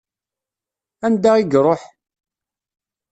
Anda i iṛuḥ?